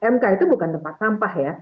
mk itu bukan tempat sampah ya